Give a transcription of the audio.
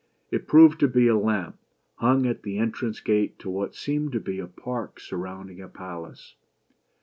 It proved to be a lamp, hung at the entrance gate to what seemed to be a park surrounding a palace.